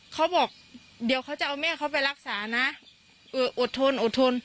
เขาบอกเดี๋ยวเขาจะเอาแม่เขาไปรักษานะเอออดทนอดทน